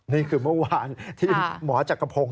นี่คือเมื่อวานที่หมอจักรพงศ